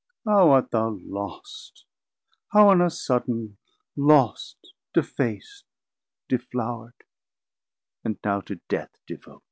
How art thou lost, how on a sudden lost, 900 Defac't, deflourd, and now to Death devote?